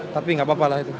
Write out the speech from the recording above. tapi nggak apa apa lah itu